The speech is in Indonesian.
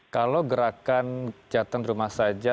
kalau gerakan catan rumah saja